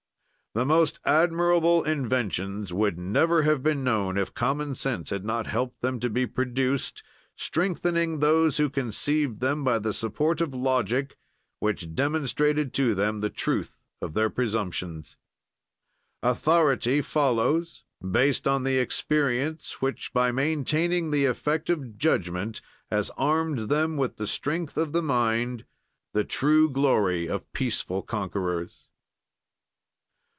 "The most admirable inventions would never have been known if common sense had not helped them to be produced, strengthening those who conceived them by the support of logic, which demonstrated to them the truth of their presumptions. "Authority follows, based on the experience which, by maintaining the effect of judgment, has armed them with the strength of the mind, the true glory of peaceful conquerors."